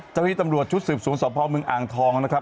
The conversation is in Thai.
จากที่ตำรวจชุดสืบสวนส่วนสะพระเมืองอางทองนะครับ